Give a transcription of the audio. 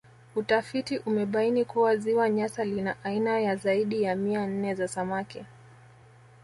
Utafiti umebaini kuwa Ziwa Nyasa lina aina ya zaidi ya mia nne za samaki